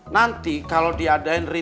nanti kalo diadain ritual ala bangsa jin